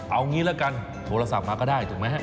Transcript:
เอางี้ละกันโทรศัพท์มาก็ได้ถูกไหมฮะ